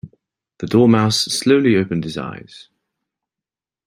The Dormouse slowly opened his eyes.